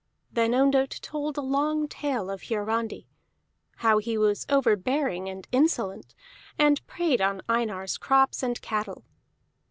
Then Ondott told a long tale of Hiarandi, how he was overbearing and insolent, and preyed on Einar's crops and cattle.